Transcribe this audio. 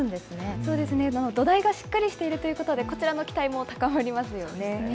そうですね、土台がしっかりしているということで、こちらの期待も高まりますよね。